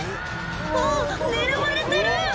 あぁ狙われてる！